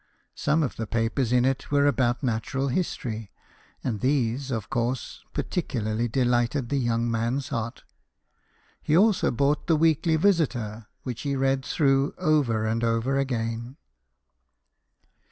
Some of the papers in it were about natural history, and THOMAS EDWARD, SHOEMAKER. 173 these, of course, particularly delighted the young man's heart. He also bought the Weekly Visitor, which he read through over and over again.